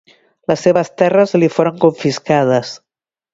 Les seves terres li foren confiscades.